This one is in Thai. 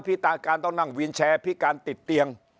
ตาการต้องนั่งวินแชร์พิการติดเตียง